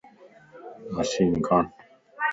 مشين کڻ